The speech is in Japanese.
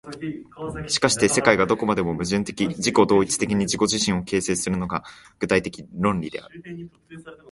しかして世界がどこまでも矛盾的自己同一的に自己自身を形成するのが、具体的論理である。